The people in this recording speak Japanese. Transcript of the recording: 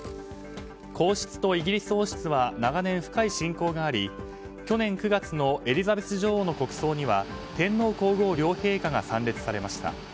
皇室とイギリス王室は長年、深い親交があり去年９月のエリザベス女王の国葬には天皇・皇后両陛下が参列されました。